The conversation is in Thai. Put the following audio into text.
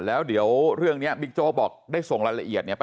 แล้วเดี๋ยวเรื่องนี้บิ๊กโจ๊กบอกได้ส่งรายละเอียด